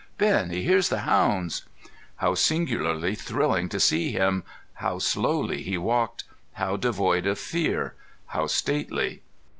Ben, he hears the hounds." How singularly thrilling to see him, how slowly he walked, how devoid of fear, how stately!